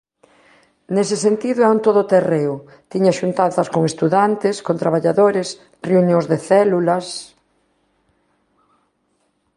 Nese sentido é un todoterreo, tiña xuntanzas con estudantes, con traballadores, reunións de células..